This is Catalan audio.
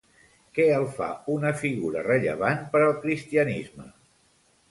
Què el fa una figura rellevant per al cristianisme?